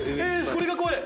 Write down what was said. これが怖い！